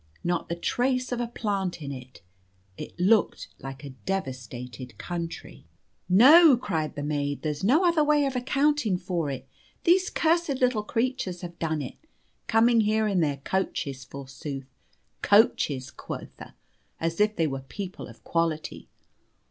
Not the trace of a plant in it, it looked like a devastated country. "No," cried the maid, "there's no other way of accounting for it, these cursed little creatures have done it. Coming here in their coaches, forsooth! coaches, quotha! as if they were people of quality!